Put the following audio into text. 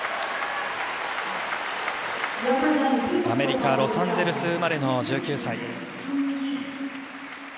アメリカ・ロサンゼルス生まれの１９歳。